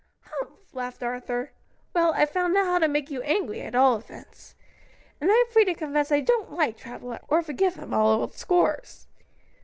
"Humph!" laughed Arthur. "Well, I've found out how to make you angry, at all events. And I'm free to confess I don't like Travilla, or forgive him all old scores."